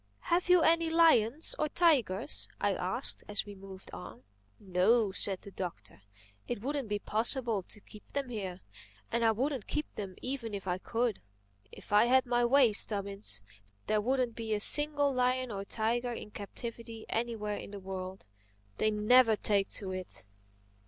"Have you any lions or tigers?" I asked as we moved on. "No," said the Doctor. "It wouldn't be possible to keep them here—and I wouldn't keep them even if I could. If I had my way, Stubbins, there wouldn't be a single lion or tiger in captivity anywhere in the world. They never take to it.